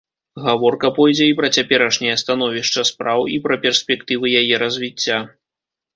Гаворка пойдзе і пра цяперашняе становішча спраў, і пра перспектывы яе развіцця.